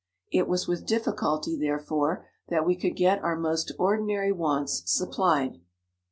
It was with difficulty, therefore, that we could get our most ordinary wants supplied.